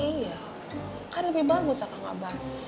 iya kan lebih bagus ya kang abah